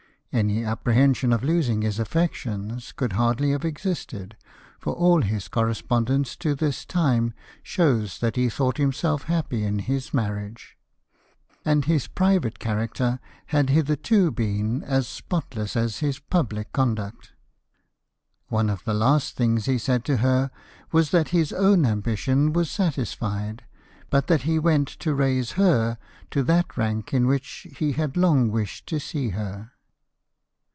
Any apprehension of losing his affections could hardly have existed, for all his correspondence to this time shows that he thought himself happy in his marriage ; and his private character had hitherto been as spot less as his public conduct. One of the last things he said to her was that his own ambition was satis fied, but that he went to raise her to that rank in which he had long wished to see her.